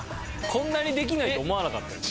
こんなにできないと思わなかったです。